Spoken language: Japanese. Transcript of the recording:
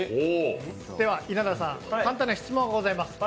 では、稲田さん、簡単な質問がございます。